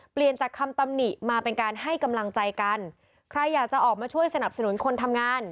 เปลี่ยนจากคำตำหนิมาเป็นการให้กำลังใจกันใครอยากจะออกมาช่วยสนับสนุนคนทำงาน